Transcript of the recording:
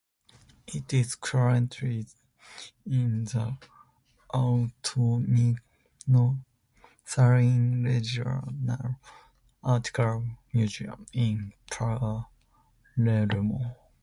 It is currently in the Antonino Salinas Regional Archeological Museum in Palermo.